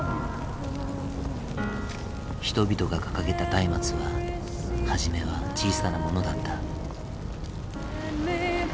人々が掲げた松明は初めは小さなものだった。